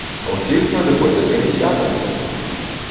Усіх з надыходзячымі святамі!